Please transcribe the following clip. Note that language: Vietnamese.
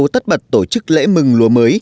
tất bật tổ chức lễ mừng lúa mới